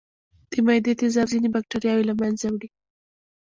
د معدې تیزاب ځینې بکتریاوې له منځه وړي.